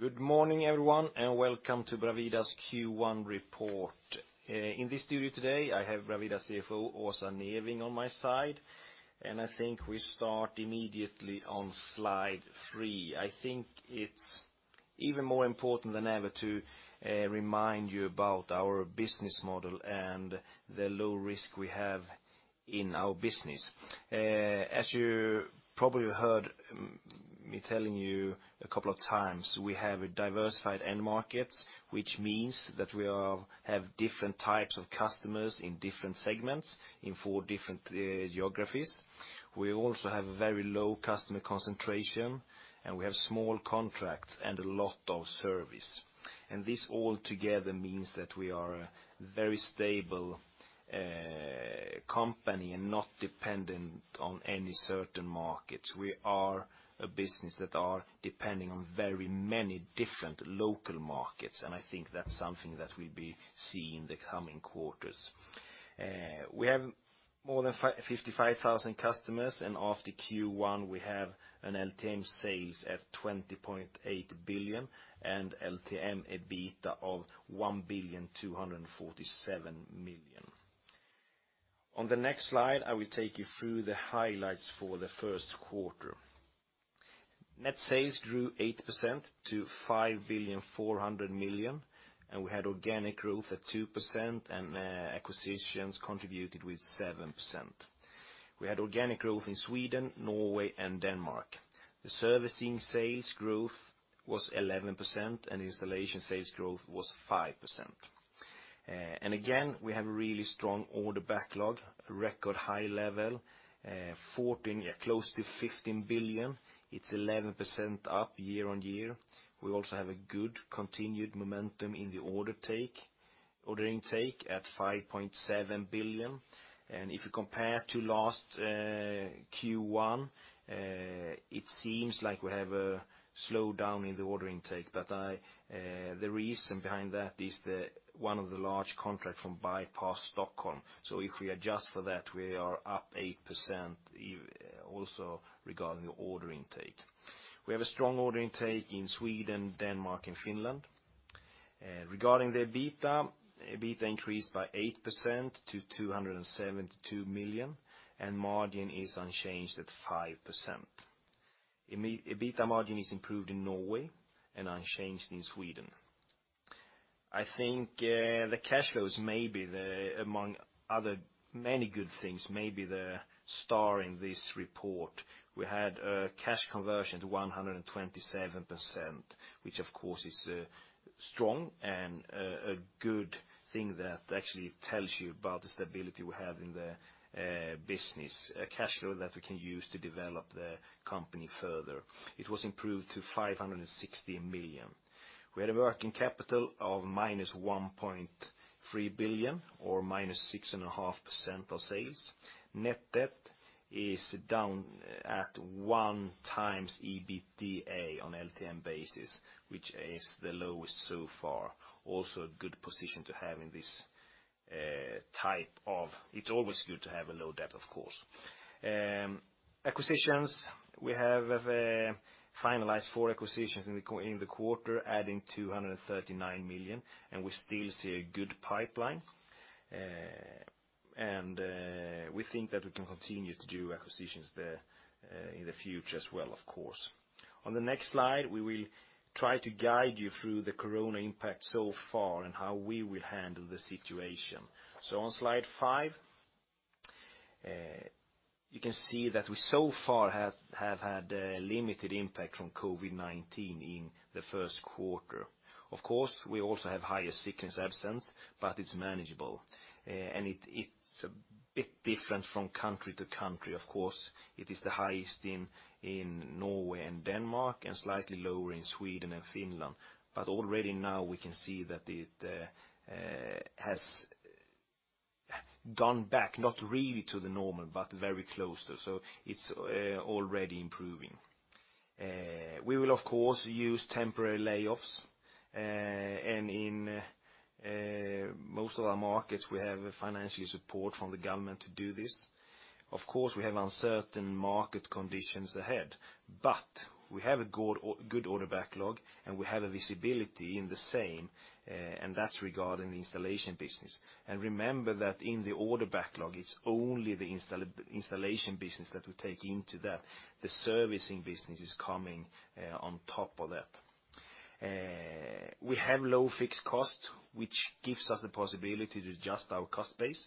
Good morning, everyone, and welcome to Bravida's Q1 report. In this studio today, I have Bravida CFO, Åsa Neving, on my side, and I think we start immediately on slide three. I think it's even more important than ever to remind you about our business model and the low risk we have in our business. As you probably heard me telling you a couple of times, we have diversified end markets, which means that we have different types of customers in different segments in four different geographies. We also have a very low customer concentration, and we have small contracts and a lot of service, and this all together means that we are a very stable company and not dependent on any certain markets. We are a business that is dependent on very many different local markets, and I think that's something that we'll be seeing in the coming quarters. We have more than 55,000 customers, and after Q1, we have an LTM sales at 20.8 billion and LTM EBITDA of 1,247,000,000 million. On the next slide, I will take you through the highlights for the first quarter. Net sales grew 8% to 5,400,000,000 million, and we had organic growth at 2%, and acquisitions contributed with 7%. We had organic growth in Sweden, Norway, and Denmark. The servicing sales growth was 11%, and installation sales growth was 5%. And again, we have a really strong order backlog, record high level, close to 15 billion. It's 11% up year on year. We also have a good continued momentum in the order intake at 5.7 billion. And if you compare to last Q1, it seems like we have a slowdown in the order intake, but the reason behind that is one of the large contracts from Bypass Stockholm. If we adjust for that, we are up 8% also regarding the ordering intake. We have a strong ordering intake in Sweden, Denmark, and Finland. Regarding the EBITDA, EBITDA increased by 8% to 272 million, and margin is unchanged at 5%. EBITDA margin is improved in Norway and unchanged in Sweden. I think the cash flows may be, among many good things, may be the star in this report. We had a cash conversion to 127%, which of course is strong and a good thing that actually tells you about the stability we have in the business, a cash flow that we can use to develop the company further. It was improved to 560 million. We had a working capital of minus 1.3 billion or minus 6.5% of sales. Net debt is down at one times EBITDA on LTM basis, which is the lowest so far. Also a good position to have in this type of. It's always good to have a low debt, of course. Acquisitions, we have finalized four acquisitions in the quarter, adding 239 million, and we still see a good pipeline, and we think that we can continue to do acquisitions in the future as well, of course. On the next slide, we will try to guide you through the Corona impact so far and how we will handle the situation. On slide five, you can see that we so far have had limited impact from COVID-19 in the first quarter. Of course, we also have higher sickness absence, but it's manageable, and it's a bit different from country to country. Of course, it is the highest in Norway and Denmark and slightly lower in Sweden and Finland. But already now we can see that it has gone back, not really to the normal, but very close to. So it's already improving. We will, of course, use temporary layoffs. And in most of our markets, we have financial support from the government to do this. Of course, we have uncertain market conditions ahead, but we have a good order backlog, and we have a visibility in the same, and that's regarding the installation business. And remember that in the order backlog, it's only the installation business that we take into that. The servicing business is coming on top of that. We have low fixed cost, which gives us the possibility to adjust our cost base.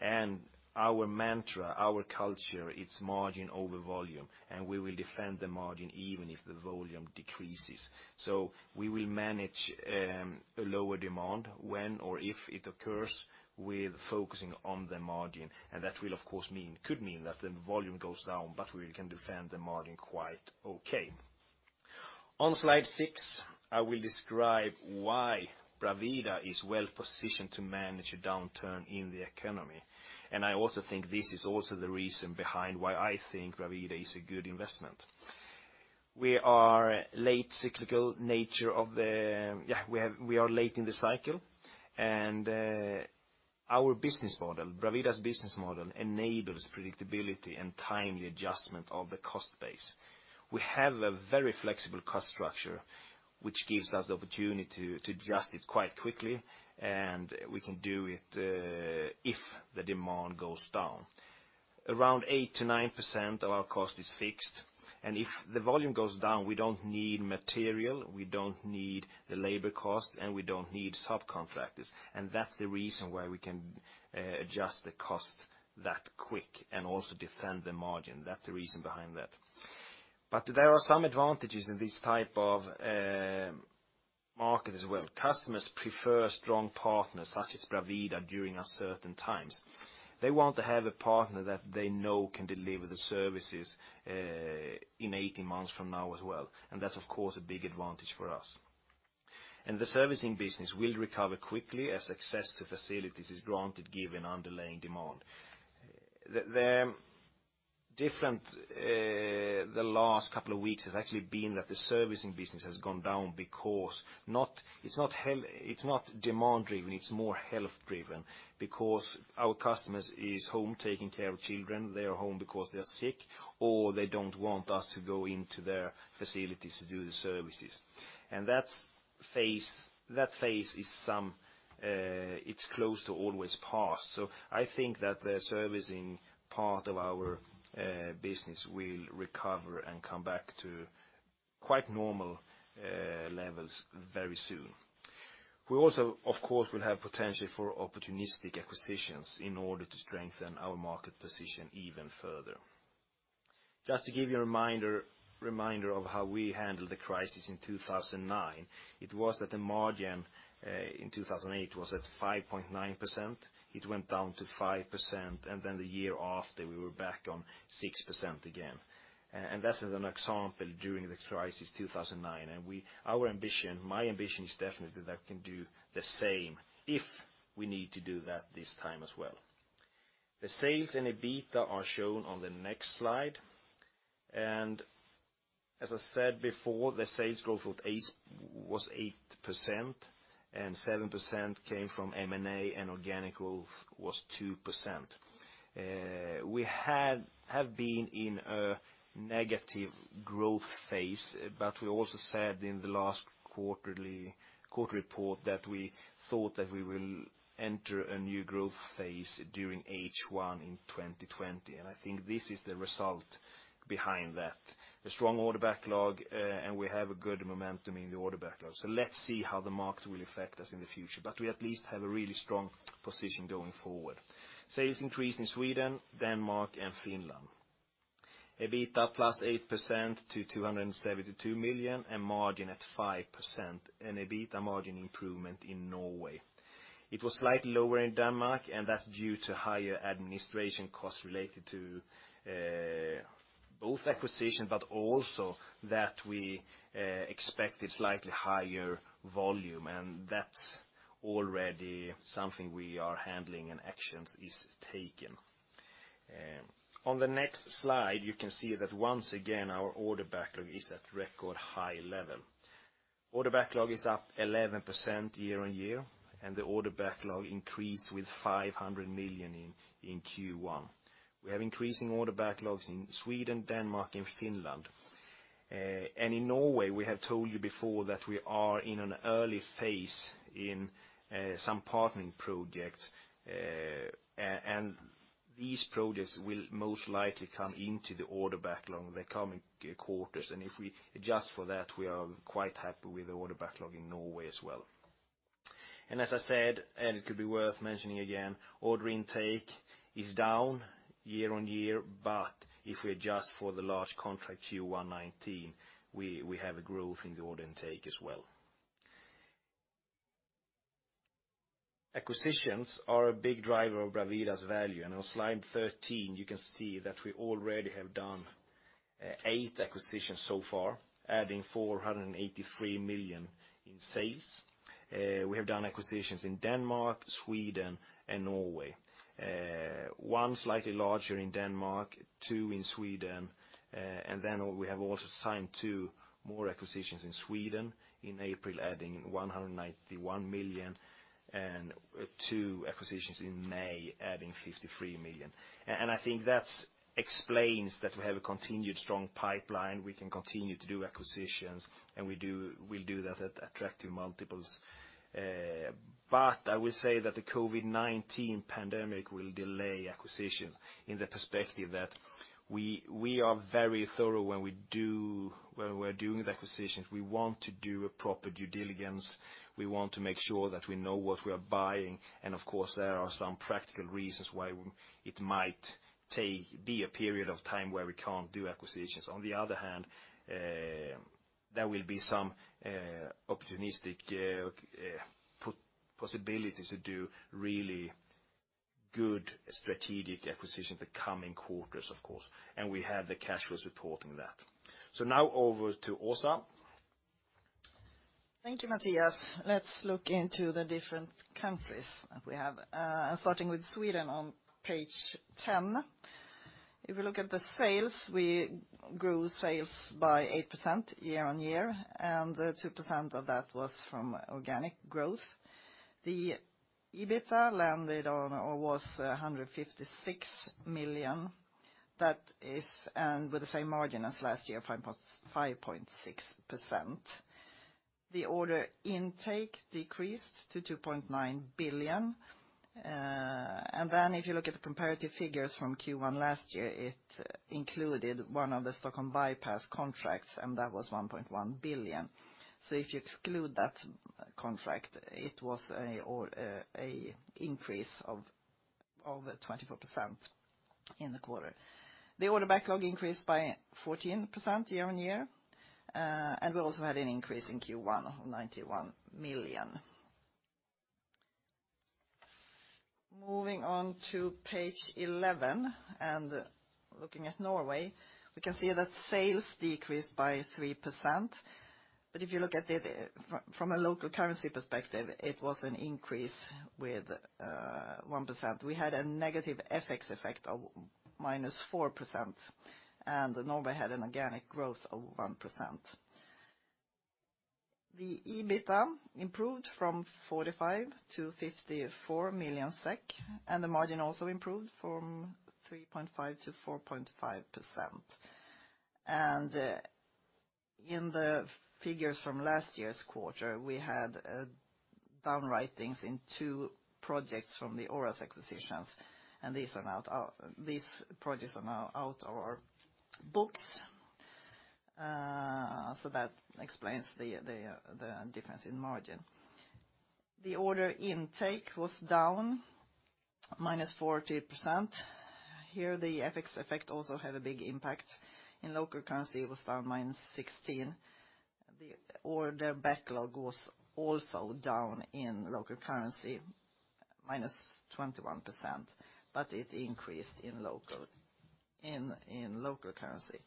And our mantra, our culture, it's margin over volume, and we will defend the margin even if the volume decreases. So we will manage a lower demand when or if it occurs with focusing on the margin. And that will, of course, could mean that the volume goes down, but we can defend the margin quite okay. On slide six, I will describe why Bravida is well positioned to manage a downturn in the economy. And I also think this is also the reason behind why I think Bravida is a good investment. We are late cyclical nature of the, yeah, we are late in the cycle. And our business model, Bravida's business model, enables predictability and timely adjustment of the cost base. We have a very flexible cost structure, which gives us the opportunity to adjust it quite quickly, and we can do it if the demand goes down. Around 8%-9% of our cost is fixed. And if the volume goes down, we don't need material, we don't need the labor cost, and we don't need subcontractors. And that's the reason why we can adjust the cost that quick and also defend the margin. That's the reason behind that. But there are some advantages in this type of market as well. Customers prefer strong partners such as Bravida during uncertain times. They want to have a partner that they know can deliver the services in 18 months from now as well. And that's, of course, a big advantage for us. And the servicing business will recover quickly as access to facilities is granted given underlying demand. The last couple of weeks has actually been that the servicing business has gone down because it's not demand-driven, it's more health-driven, because our customers are home taking care of children. They are home because they are sick, or they don't want us to go into their facilities to do the services. And that phase is, it's close to always past. So I think that the servicing part of our business will recover and come back to quite normal levels very soon. We also, of course, will have potential for opportunistic acquisitions in order to strengthen our market position even further. Just to give you a reminder of how we handled the crisis in 2009, it was that the margin in 2008 was at 5.9%. It went down to 5%, and then the year after, we were back on 6% again. And that's an example during the crisis 2009. And my ambition is definitely that we can do the same if we need to do that this time as well. The sales and EBITDA are shown on the next slide. As I said before, the sales growth was 8%, and 7% came from M&A, and organic growth was 2%. We have been in a negative growth phase, but we also said in the last quarter report that we thought that we will enter a new growth phase during H1 in 2020. And I think this is the result behind that. A strong order backlog, and we have a good momentum in the order backlog. So let's see how the market will affect us in the future, but we at least have a really strong position going forward. Sales increased in Sweden, Denmark, and Finland. EBITDA plus 8% to 272 million and margin at 5%, and EBITDA margin improvement in Norway. It was slightly lower in Denmark, and that's due to higher administration costs related to both acquisition, but also that we expected slightly higher volume. That's already something we are handling, and actions are taken. On the next slide, you can see that once again, our order backlog is at record high level. Order backlog is up 11% year-on-year, and the order backlog increased with 500 million in Q1. We have increasing order backlogs in Sweden, Denmark, and Finland. In Norway, we have told you before that we are in an early phase in some partnering projects, and these projects will most likely come into the order backlog in the coming quarters. If we adjust for that, we are quite happy with the order backlog in Norway as well. As I said, and it could be worth mentioning again, order intake is down year-on-year, but if we adjust for the large contract Q119, we have a growth in the order intake as well. Acquisitions are a big driver of Bravida's value. And on slide 13, you can see that we already have done eight acquisitions so far, adding 483 million in sales. We have done acquisitions in Denmark, Sweden, and Norway. One slightly larger in Denmark, two in Sweden, and then we have also signed two more acquisitions in Sweden in April, adding 191 million, and two acquisitions in May, adding 53 million. And I think that explains that we have a continued strong pipeline. We can continue to do acquisitions, and we will do that at attractive multiples. But I will say that the COVID-19 pandemic will delay acquisitions in the perspective that we are very thorough when we're doing the acquisitions. We want to do a proper due diligence. We want to make sure that we know what we are buying. Of course, there are some practical reasons why it might be a period of time where we can't do acquisitions. On the other hand, there will be some opportunistic possibilities to do really good strategic acquisitions the coming quarters, of course. And we have the cash flows supporting that. Now over to Åsa. Thank you, Mattias. Let's look into the different countries that we have, starting with Sweden on page 10. If we look at the sales, we grew sales by 8% year-on-year, and 2% of that was from organic growth. The EBITDA landed on or was 156 million. That is, and with the same margin as last year, 5.6%. The order intake decreased to 2.9 billion. And then if you look at the comparative figures from Q1 last year, it included one of the Stockholm Bypass contracts, and that was 1.1 billion. So if you exclude that contract, it was an increase of over 24% in the quarter. The order backlog increased by 14% year-on-year, and we also had an increase in Q1 of 91 million. Moving on to page 11 and looking at Norway, we can see that sales decreased by 3%. But if you look at it from a local currency perspective, it was an increase with 1%. We had a negative FX effect of minus 4%, and Norway had an organic growth of 1%. The EBITDA improved from 45 million to 54 million SEK, and the margin also improved from 3.5% to 4.5%. And in the figures from last year's quarter, we had write-downs in two projects from the Oras acquisitions, and these projects are now out of our books. So that explains the difference in margin. The order intake was down minus 40%. Here, the FX effect also had a big impact. In local currency, it was down minus 16%. The order backlog was also down in local currency, minus 21%, but it increased in local currency.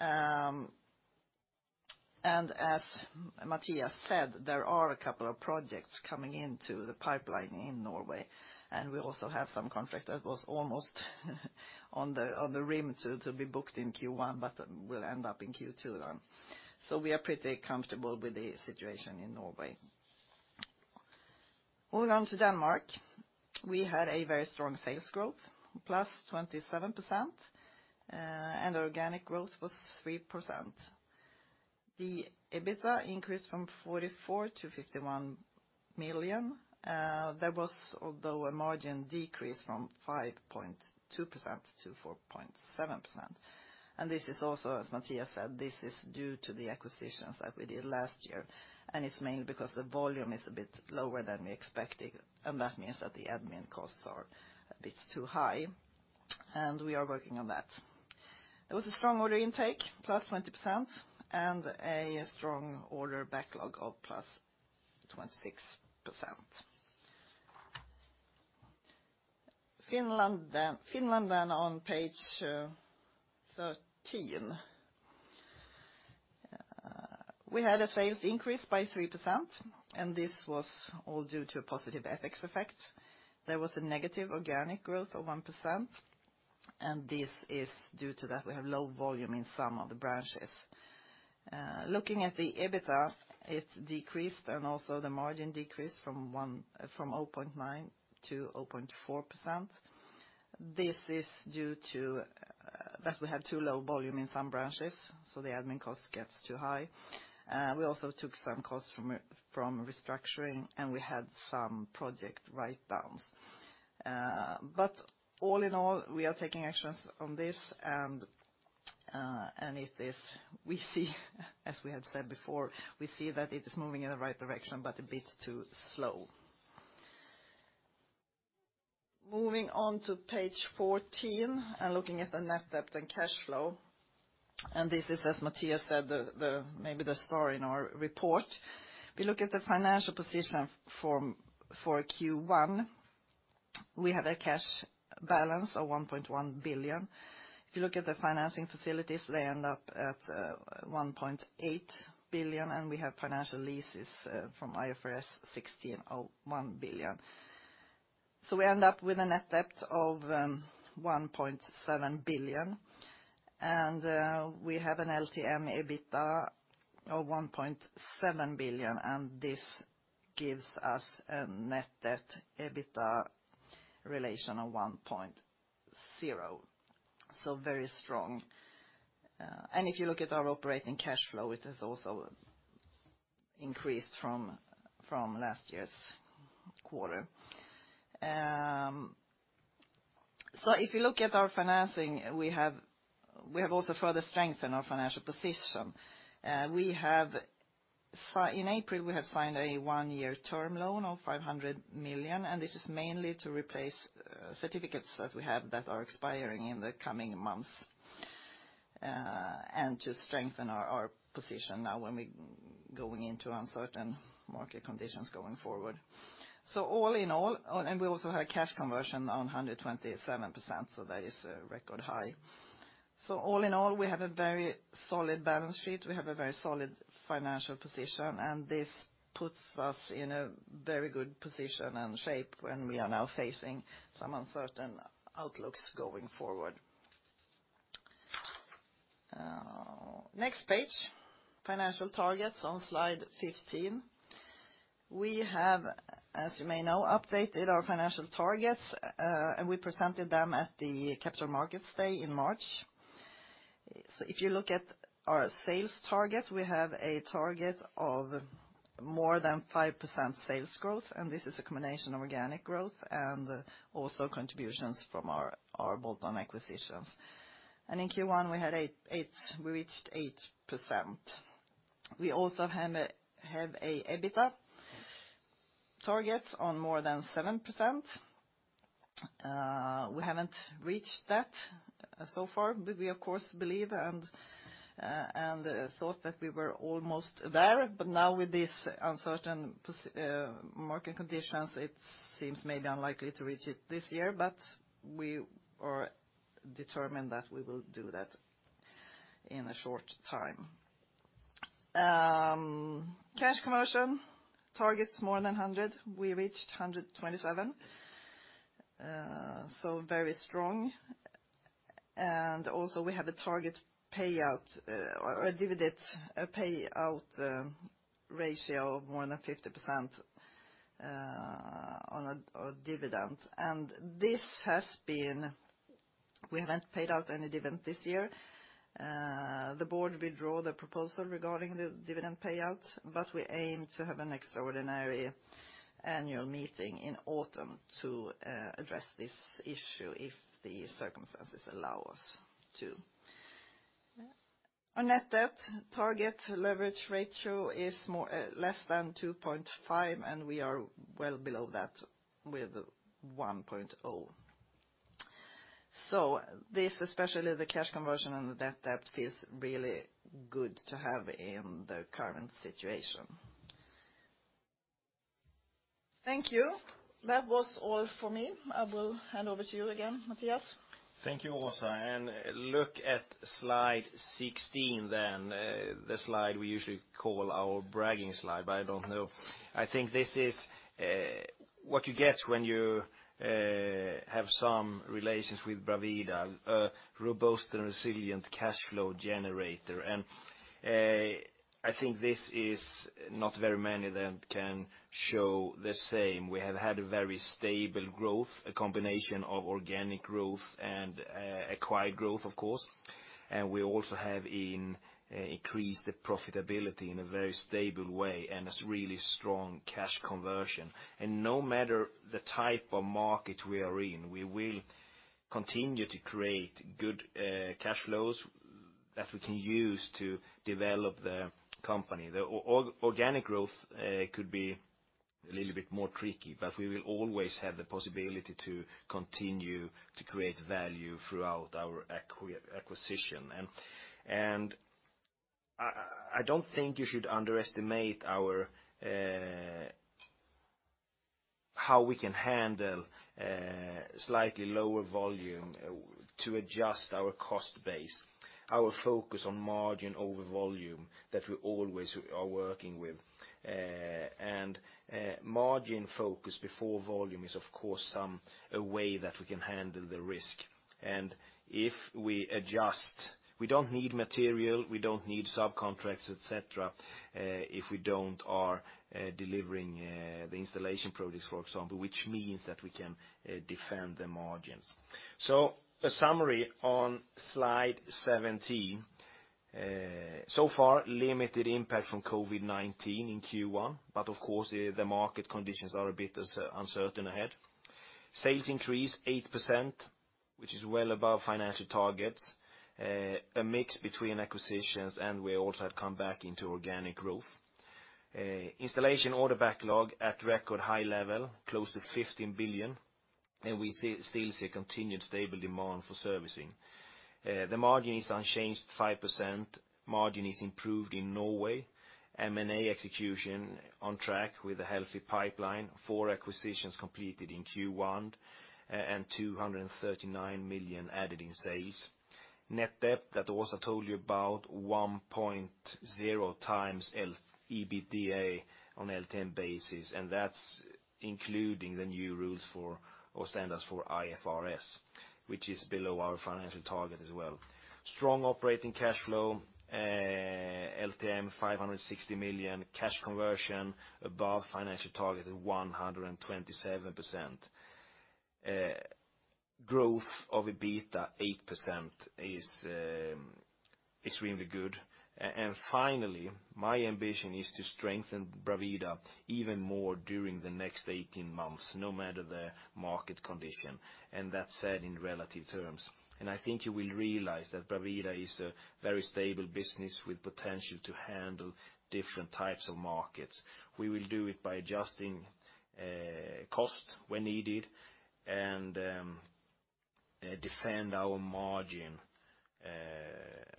As Mattias said, there are a couple of projects coming into the pipeline in Norway, and we also have some contract that was almost on the rim to be booked in Q1, but will end up in Q2 then. We are pretty comfortable with the situation in Norway. Moving on to Denmark, we had a very strong sales growth, plus 27%, and organic growth was 3%. The EBITDA increased from 44 million to 51 million. There was, although, a margin decrease from 5.2% to 4.7%. This is also, as Mattias said, this is due to the acquisitions that we did last year, and it's mainly because the volume is a bit lower than we expected, and that means that the admin costs are a bit too high, and we are working on that. There was a strong order intake, plus 20%, and a strong order backlog of plus 26%. Finland, then on page 13. We had a sales increase by 3%, and this was all due to a positive FX effect. There was a negative organic growth of 1%, and this is due to that we have low volume in some of the branches. Looking at the EBITDA, it decreased, and also the margin decreased from 0.9% to 0.4%. This is due to that we have too low volume in some branches, so the admin cost gets too high. We also took some costs from restructuring, and we had some project write-downs. But all in all, we are taking actions on this, and we see, as we had said before, we see that it is moving in the right direction, but a bit too slow. Moving on to page 14 and looking at the net debt and cash flow, and this is, as Mattias said, maybe the star in our report. We look at the financial position for Q1. We have a cash balance of 1.1 billion. If you look at the financing facilities, they end up at 1.8 billion, and we have financial leases from IFRS 16 of 1 billion. So we end up with a net debt of 1.7 billion, and we have an LTM EBITDA of 1.7 billion, and this gives us a net debt EBITDA relation of 1.0. So very strong, and if you look at our operating cash flow, it has also increased from last year's quarter, so if you look at our financing, we have also further strengthened our financial position. In April, we have signed a one-year term loan of 500 million, and this is mainly to replace certificates that we have that are expiring in the coming months and to strengthen our position now when we're going into uncertain market conditions going forward. So all in all, and we also had cash conversion on 127%, so that is a record high. So all in all, we have a very solid balance sheet. We have a very solid financial position, and this puts us in a very good position and shape when we are now facing some uncertain outlooks going forward. Next page, financial targets on slide 15. We have, as you may know, updated our financial targets, and we presented them at the Capital Markets Day in March. So if you look at our sales target, we have a target of more than 5% sales growth, and this is a combination of organic growth and also contributions from our bolt-on acquisitions. And in Q1, we reached 8%. We also have an EBITDA target on more than 7%. We haven't reached that so far. We, of course, believe and thought that we were almost there, but now with these uncertain market conditions, it seems maybe unlikely to reach it this year, but we are determined that we will do that in a short time. Cash conversion targets more than 100. We reached 127. So very strong. And also we have a target payout or a dividend payout ratio of more than 50% on a dividend. And this has been we haven't paid out any dividend this year. The board withdrew the proposal regarding the dividend payout, but we aim to have an extraordinary annual meeting in autumn to address this issue if the circumstances allow us to. Our net debt target leverage ratio is less than 2.5, and we are well below that with 1.0. So this, especially the cash conversion and the net debt, feels really good to have in the current situation. Thank you. That was all for me. I will hand over to you again, Mattias. Thank you, Åsa. And look at slide 16 then, the slide we usually call our bragging slide, but I don't know. I think this is what you get when you have some relations with Bravida, a robust and resilient cash flow generator. And I think this is not very many that can show the same. We have had a very stable growth, a combination of organic growth and acquired growth, of course. And we also have increased the profitability in a very stable way and a really strong cash conversion. And no matter the type of market we are in, we will continue to create good cash flows that we can use to develop the company. The organic growth could be a little bit more tricky, but we will always have the possibility to continue to create value throughout our acquisition. I don't think you should underestimate how we can handle slightly lower volume to adjust our cost base, our focus on margin over volume that we always are working with. And margin focus before volume is, of course, a way that we can handle the risk. And if we adjust, we don't need material, we don't need subcontracts, etc., if we don't are delivering the installation projects, for example, which means that we can defend the margins. So a summary on slide 17. So far, limited impact from COVID-19 in Q1, but of course, the market conditions are a bit uncertain ahead. Sales increased 8%, which is well above financial targets, a mix between acquisitions, and we also had come back into organic growth. Installation order backlog at record high level, close to 15 billion, and we still see continued stable demand for servicing. The margin is unchanged, 5%. Margin is improved in Norway. M&A execution on track with a healthy pipeline. Four acquisitions completed in Q1 and 239 million added in sales. Net debt that I also told you about, 1.0 times EBITDA on LTM basis, and that's including the new rules or standards for IFRS, which is below our financial target as well. Strong operating cash flow, LTM 560 million, cash conversion above financial target of 127%. Growth of EBITDA, 8%, is extremely good. And finally, my ambition is to strengthen Bravida even more during the next 18 months, no matter the market condition. And that's said in relative terms. And I think you will realize that Bravida is a very stable business with potential to handle different types of markets. We will do it by adjusting cost when needed and defend our margin.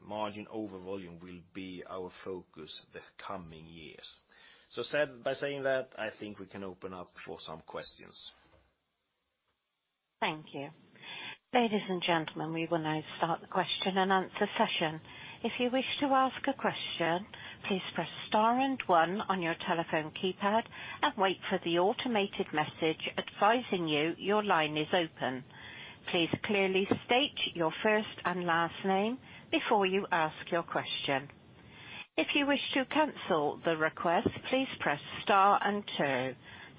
Margin over volume will be our focus the coming years. So by saying that, I think we can open up for some questions. Thank you. Ladies and gentlemen, we will now start the question and answer session. If you wish to ask a question, please press star and one on your telephone keypad and wait for the automated message advising you your line is open. Please clearly state your first and last name before you ask your question. If you wish to cancel the request, please press star and two.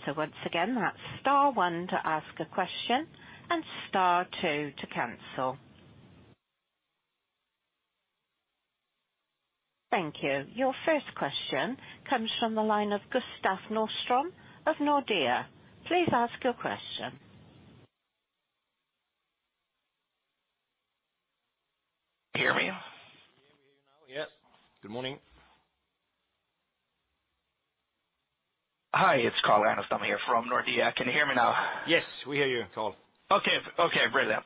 So once again, that's star one to ask a question and star two to cancel. Thank you. Your first question comes from the line of Gustav Norström of Nordea. Please ask your question. Hear me? Yeah, we hear you now. Yes. Good morning. Hi, it's Carl Aniston here from Nordea. Can you hear me now? Yes, we hear you, Carl. Okay, okay, brilliant.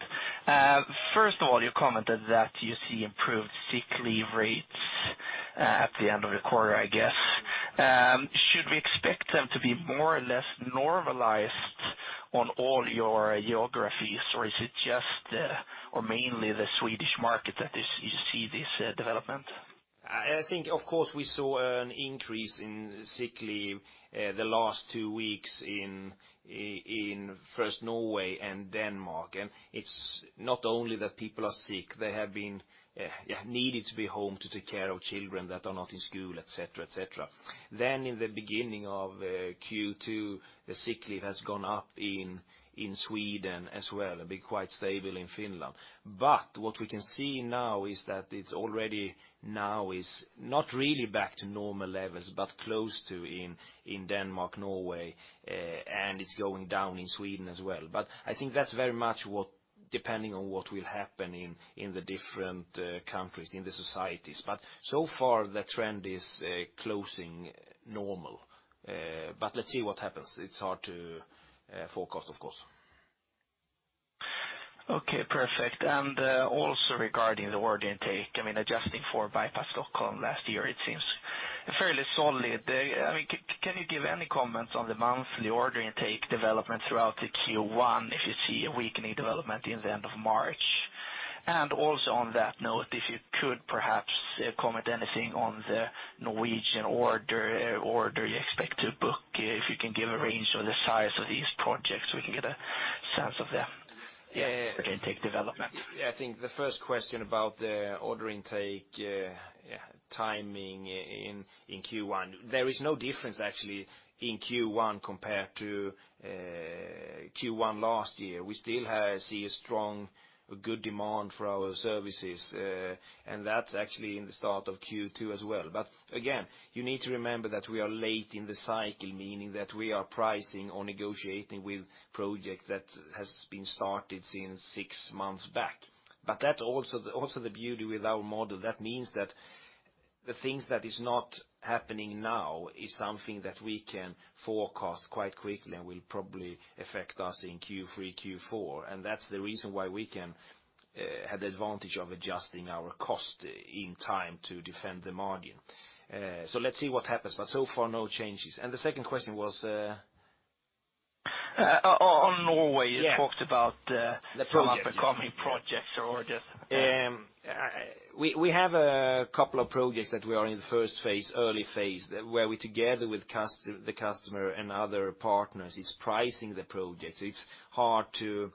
First of all, you commented that you see improved sick leave rates at the end of the quarter, I guess. Should we expect them to be more or less normalized on all your geographies, or is it just mainly the Swedish market that you see this development? I think, of course, we saw an increase in sick leave the last two weeks in first Norway and Denmark. And it's not only that people are sick. They have been needed to be home to take care of children that are not in school, etc., etc. Then in the beginning of Q2, the sick leave has gone up in Sweden as well and been quite stable in Finland. But what we can see now is that it's already now is not really back to normal levels, but close to in Denmark, Norway, and it's going down in Sweden as well. But I think that's very much depending on what will happen in the different countries, in the societies. But so far, the trend is close to normal. But let's see what happens. It's hard to forecast, of course. Okay, perfect. And also regarding the order intake, I mean, adjusting for Bypass Stockholm last year, it seems fairly solid. I mean, can you give any comments on the monthly order intake development throughout Q1 if you see a weakening development in the end of March? And also on that note, if you could perhaps comment anything on the Norwegian order you expect to book, if you can give a range of the size of these projects, we can get a sense of the order intake development. Yeah, I think the first question about the order intake timing in Q1, there is no difference actually in Q1 compared to Q1 last year. We still see a strong, good demand for our services, and that's actually in the start of Q2 as well. But again, you need to remember that we are late in the cycle, meaning that we are pricing or negotiating with projects that have been started since six months back. But that's also the beauty with our model. That means that the things that are not happening now are something that we can forecast quite quickly and will probably affect us in Q3, Q4. And that's the reason why we can have the advantage of adjusting our cost in time to defend the margin. So let's see what happens, but so far, no changes. And the second question was. On Norway, you talked about. The problem becoming projects or orders. We have a couple of projects that we are in the first phase, early phase, where we together with the customer and other partners are pricing the projects. It's hard to.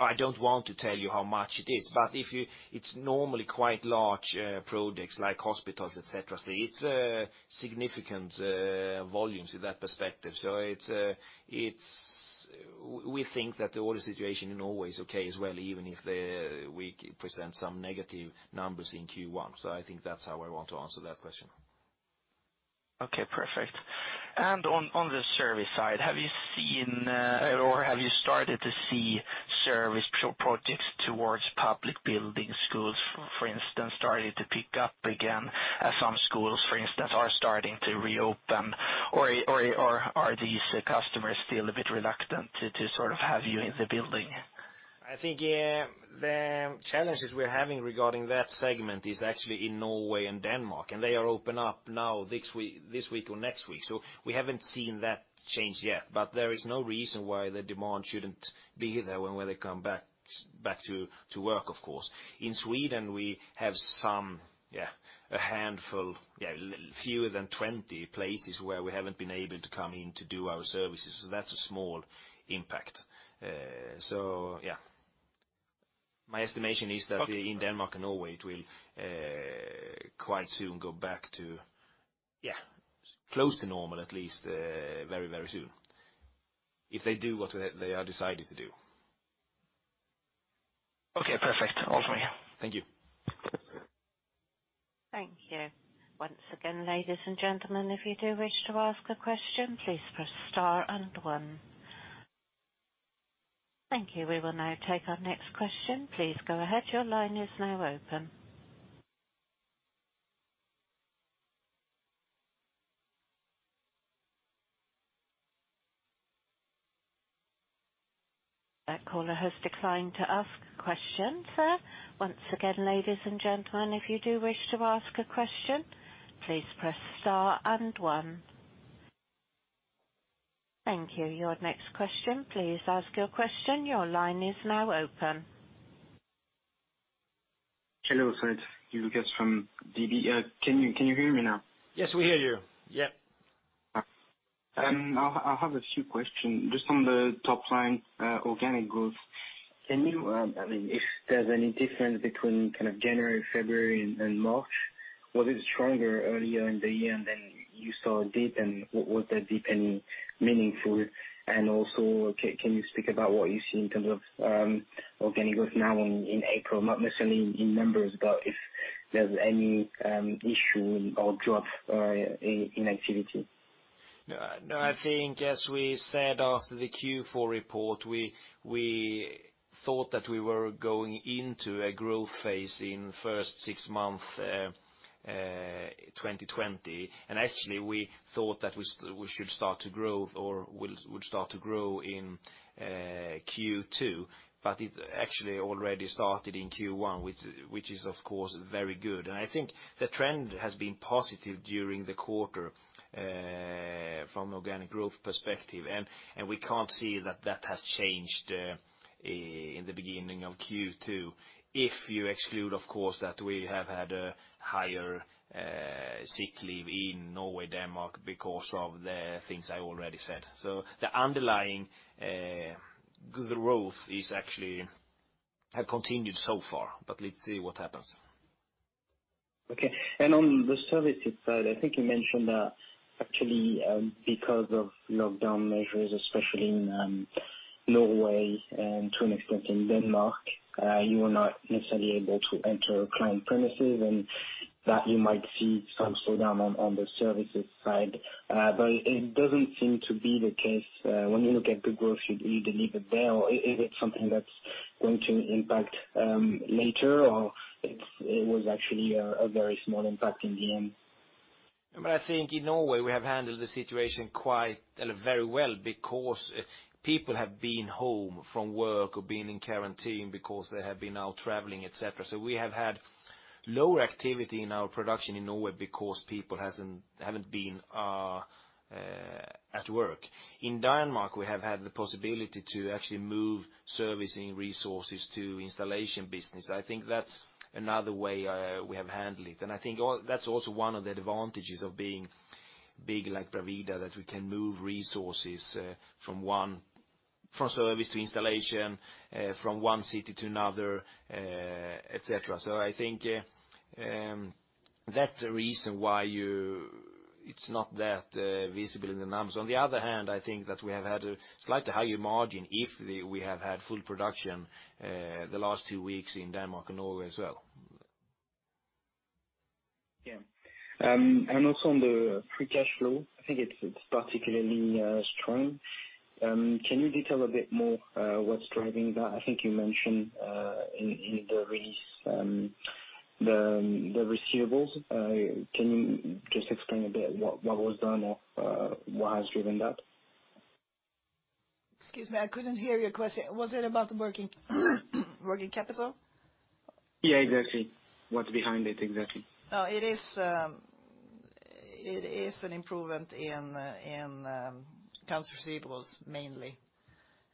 I don't want to tell you how much it is, but it's normally quite large projects like hospitals, etc., so it's significant volumes in that perspective, so we think that the order situation in Norway is okay as well, even if we present some negative numbers in Q1, so I think that's how I want to answer that question. Okay, perfect. And on the service side, have you seen or have you started to see service projects towards public buildings, schools, for instance, starting to pick up again? Some schools, for instance, are starting to reopen. Or are these customers still a bit reluctant to sort of have you in the building? I think the challenges we're having regarding that segment are actually in Norway and Denmark, and they are open up now this week or next week. So we haven't seen that change yet, but there is no reason why the demand shouldn't be there when they come back to work, of course. In Sweden, we have a handful, fewer than 20 places where we haven't been able to come in to do our services. So that's a small impact. So yeah, my estimation is that in Denmark and Norway, it will quite soon go back to, yeah, close to normal, at least very, very soon, if they do what they have decided to do. Okay, perfect. All for me. Thank you. Thank you. Once again, ladies and gentlemen, if you do wish to ask a question, please press star and one. Thank you. We will now take our next question. Please go ahead. Your line is now open. That caller has declined to ask a question. Once again, ladies and gentlemen, if you do wish to ask a question, please press star and one. Thank you. Your next question, please ask your question. Your line is now open. Hello, sorry. This is Lucas from DB. Can you hear me now? Yes, we hear you. Yep. I'll have a few questions. Just on the top line, organic growth, can you—I mean, if there's any difference between kind of January, February, and March, was it stronger earlier in the year and then you saw a dip? And was that dip any meaningful? And also, can you speak about what you see in terms of organic growth now in April, not necessarily in numbers, but if there's any issue or drop in activity? No, I think, as we said after the Q4 report, we thought that we were going into a growth phase in the first six months of 2020, and actually, we thought that we should start to grow or would start to grow in Q2, but it actually already started in Q1, which is, of course, very good, and I think the trend has been positive during the quarter from an organic growth perspective, and we can't see that that has changed in the beginning of Q2, if you exclude, of course, that we have had a higher sick leave in Norway, Denmark, because of the things I already said, so the underlying growth has continued so far, but let's see what happens. Okay. And on the services side, I think you mentioned that actually, because of lockdown measures, especially in Norway and to an extent in Denmark, you were not necessarily able to enter client premises, and that you might see some slowdown on the services side. But it doesn't seem to be the case when you look at the growth you delivered there. Is it something that's going to impact later, or it was actually a very small impact in the end? I think in Norway, we have handled the situation quite very well because people have been home from work or been in quarantine because they have been out traveling, etc. So we have had lower activity in our production in Norway because people haven't been at work. In Denmark, we have had the possibility to actually move servicing resources to the installation business. I think that's another way we have handled it. And I think that's also one of the advantages of being big like Bravida, that we can move resources from service to installation, from one city to another, etc. So I think that's the reason why it's not that visible in the numbers. On the other hand, I think that we have had a slightly higher margin if we have had full production the last two weeks in Denmark and Norway as well. Yeah. And also on the free cash flow, I think it's particularly strong. Can you detail a bit more what's driving that? I think you mentioned in the release the receivables. Can you just explain a bit what was done or what has driven that? Excuse me, I couldn't hear your question. Was it about the working capital? Yeah, exactly. What's behind it, exactly? It is an improvement in customer receivables mainly,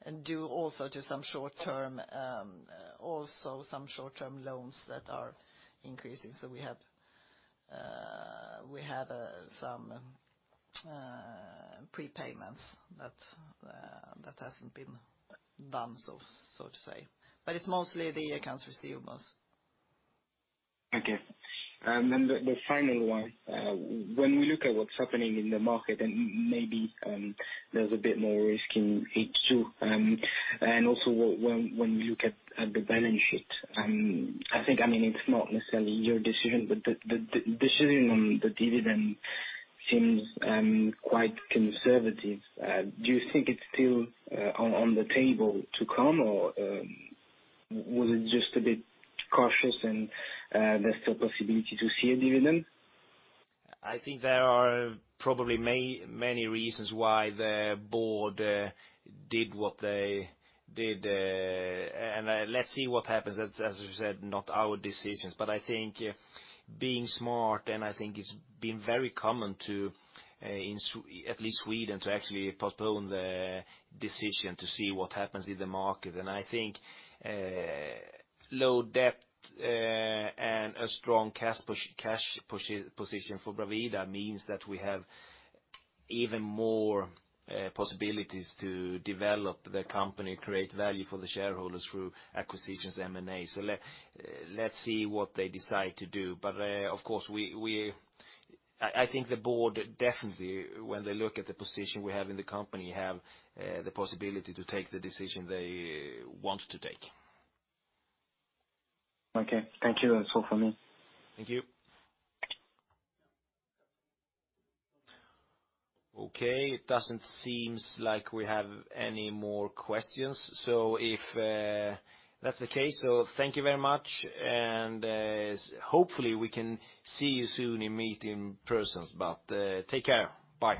and also to some short-term loans that are increasing. So we have some prepayments that haven't been done, so to say. But it's mostly the accounts receivables. Okay. And then the final one, when we look at what's happening in the market, and maybe there's a bit more risk in H2, and also when we look at the balance sheet, I think, I mean, it's not necessarily your decision, but the decision on the dividend seems quite conservative. Do you think it's still on the table to come, or was it just a bit cautious and there's still possibility to see a dividend? I think there are probably many reasons why the board did what they did, and let's see what happens. That's, as you said, not our decisions. I think being smart, and I think it's been very common to, at least Sweden, to actually postpone the decision to see what happens in the market. I think low debt and a strong cash position for Bravida means that we have even more possibilities to develop the company, create value for the shareholders through acquisitions, M&A. Let's see what they decide to do. Of course, I think the board definitely, when they look at the position we have in the company, have the possibility to take the decision they want to take. Okay. Thank you. That's all for me. Thank you. Okay, it doesn't seem like we have any more questions, so if that's the case, thank you very much, and hopefully we can see you soon in person, but take care. Bye.